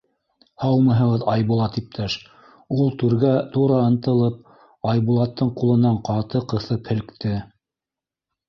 — Һаумыһығыҙ, Айбулат иптәш, — ул, түргә тура ынтылып, Айбулаттың ҡулынан ҡаты ҡыҫып һелкте.